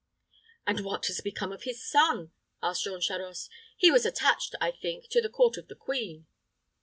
"And what has become of his son?" asked Jean Charost. "He was attached, I think, to the court of the queen."